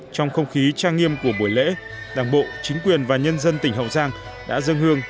trong không khí trang nghiêm của buổi lễ đảng bộ chính quyền và nhân dân tỉnh hậu giang đã dâng hương